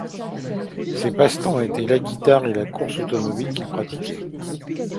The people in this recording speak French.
Ses passe-temps étaient la guitare et la course automobile qu'il pratiquait.